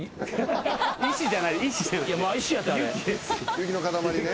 雪の塊ね。